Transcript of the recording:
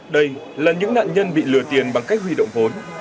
đây là những nạn nhân bị lừa tiền bằng cách huy động vốn